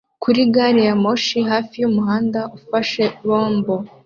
kuri gari ya moshi hafi y'umuhanda ufashe bombo